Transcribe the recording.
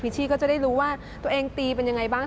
ชี่ก็จะได้รู้ว่าตัวเองตีเป็นยังไงบ้าง